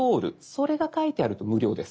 それが書いてあると無料です。